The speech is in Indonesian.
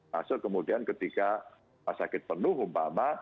masuk kemudian ketika rumah sakit penuh umpama